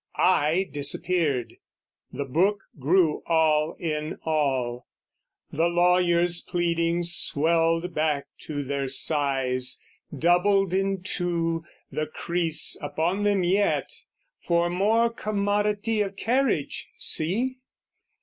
I disappeared; the book grew all in all; The lawyers' pleadings swelled back to their size, Doubled in two, the crease upon them yet, For more commodity of carriage, see!